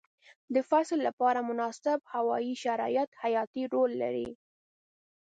د فصل لپاره مناسب هوايي شرایط حیاتي رول لري.